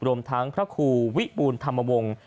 รวมทั้งพระครูวิบูรณธรรมวงศ์